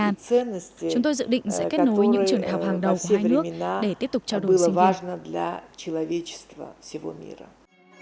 chúng tôi dự định sẽ kết nối những trường đại học hàng đầu của đất nước để tiếp tục trao đổi sinh viên